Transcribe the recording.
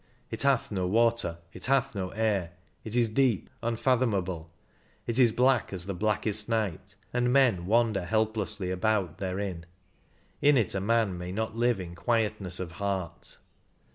It hath no water, it hath no air ; it is deep, unfathomable ; it is black as the blackest night, and men wander helplessly about therein ; in it a man may not live in quietness of heart."